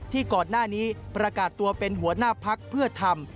ก่อนหน้านี้ประกาศตัวเป็นหัวหน้าพักเพื่อทำ